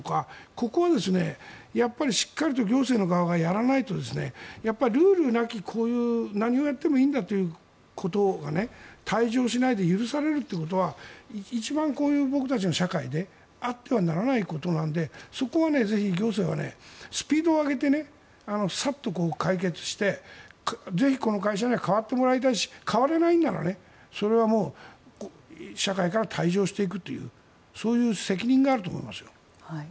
ここはやっぱりしっかりと行政の側がやらないとルールなき、こういう何をやってもいいんだということが退場しないで許されるということは一番、僕たちの社会であってはならないことなのでそこはぜひ、行政はスピードを上げてさっと解決してぜひ、この会社には変わってもらいたいし変われないならそれはもう社会から退場していくというそういう責任があると思いますよ。